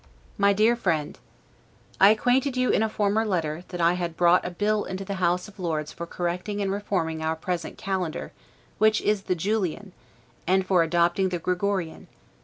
MY DEAR FRIEND: I acquainted you in a former letter, that I had brought a bill into the House of Lords for correcting and reforming our present calendar, which is the Julian, and for adopting the Gregorian.